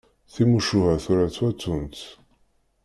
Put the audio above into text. Timucuha tura ttwattunt.